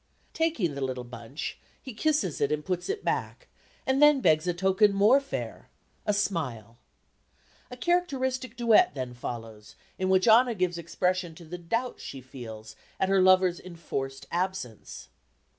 Taking the little bunch he kisses it and puts it back, and then begs a token more fair a smile. A characteristic duet then follows, in which Anna gives expression to the doubts she feels at her lover's enforced absence.